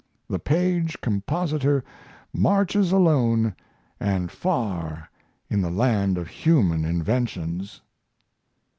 The Paige Compositor marches alone and far in the land of human inventions.